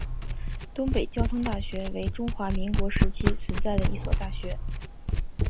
东北交通大学为中华民国时期存在的一所大学。